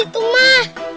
kalau aku ketemu bapak